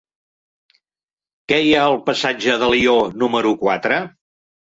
Què hi ha al passatge d'Alió número quatre?